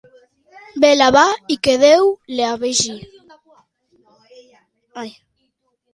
Vela va i que Déu la vegi.